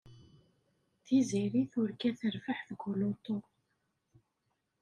Tiziri turga terbeḥ deg uluṭu.